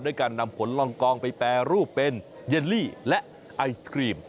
การนำผลลองกองไปแปรรูปเป็นเยลลี่และไอศครีม